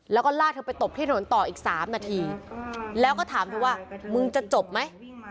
แล้วก็ลากเธอไปตบที่ถนนต่ออีก๓นาทีแล้วก็ถามเธอว่ามึงจะจบไหม